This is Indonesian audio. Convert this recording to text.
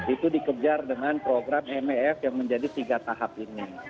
itu dikejar dengan program mef yang menjadi tiga tahap ini